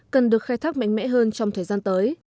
cần được khai thác mạnh mẽ hơn trong thời gian tới